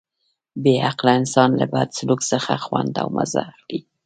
بې عقله انسان له بد سلوک څخه خوند او مزه اخلي.